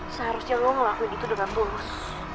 seharusnya lo ngelakuin itu dengan tulus